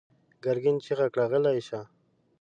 ګرګين چيغه کړه: غلی شه!